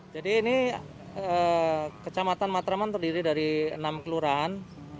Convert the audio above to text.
jadi ini kecamatan matraman terdiri dari enam kelurahan